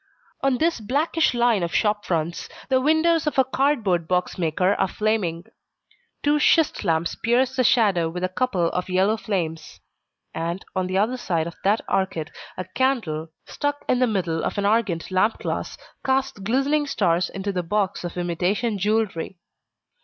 On this blackish line of shop fronts, the windows of a cardboard box maker are flaming: two schist lamps pierce the shadow with a couple of yellow flames. And, on the other side of the arcade a candle, stuck in the middle of an argand lamp glass, casts glistening stars into the box of imitation jewelry.